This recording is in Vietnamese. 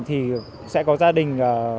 thì sẽ có gia đình